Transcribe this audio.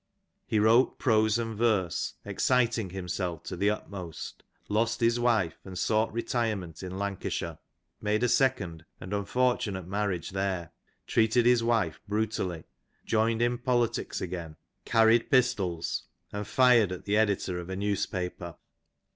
He wrote prose and verse, exciting himself tfo the utmost ; lost his wife and sought retirement in Lancashire ; made a second and unfortunate marriage there ; treated his wife brutally; joined in politics again, carried pistols and fired at the editor of a newspaper.